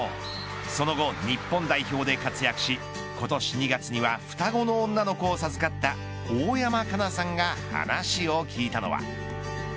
その後、日本代表で活躍し今年２月には双子の女の子を授かった大山加奈さんが話を聞いたのは。